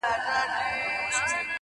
جل وهلی سوځېدلی د مودو مودو راهیسي .